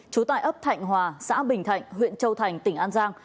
trú tại ấp thạnh hòa xã bình thạnh huyện châu thành tỉnh an giang